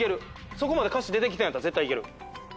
そこまで歌詞出てきたんやったら絶対いける。